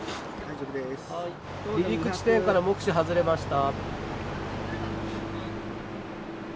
離陸地点から目視外れました。